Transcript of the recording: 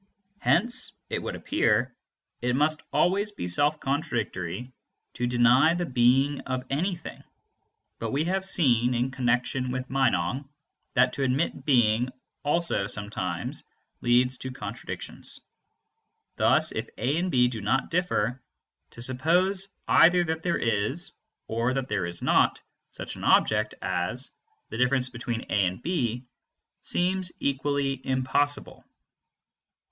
Hence, it would appear, it must always be self contradictory to deny the being of anything; but we have seen, in connexion with Meinong, that to admit being also sometimes leads to contradictions. Thus if A and B do not differ, to suppose either that there is, or that there is not, such an object as "the difference between A and B" seems equally impossible.